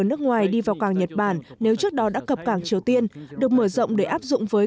nước ngoài đi vào cảng nhật bản nếu trước đó đã cập cảng triều tiên được mở rộng để áp dụng với